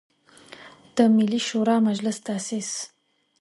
د ملي شوری مجلس تاسیس.